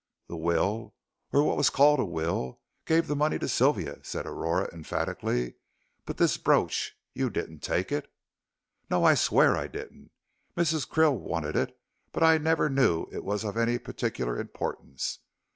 "The will or what was called a will, gave the money to Sylvia," said Aurora, emphatically; "but this brooch you didn't take it?" "No, I swear I didn't. Mrs. Krill wanted it, but I never knew it was of any particular importance.